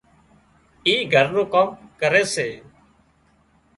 اِي گھر نُون ڪام ڪري سي